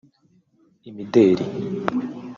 imideli